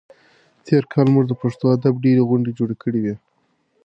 تېر کال موږ د پښتو ادب ډېرې غونډې جوړې کړې وې.